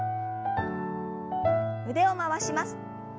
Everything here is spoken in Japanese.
腕を回します。